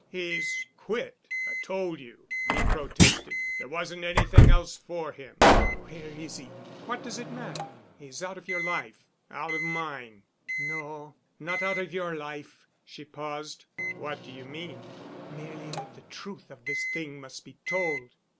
"He's quit, I told you," he protested. "There wasn't anything else for him——" "Where is he?" "What does it matter? He's out of your life—out of mine." "No—not out of your life——" she paused. "What do you mean?" "Merely that the truth of this thing must be told."